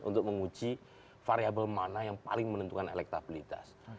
untuk menguji variable mana yang paling menentukan elektabilitas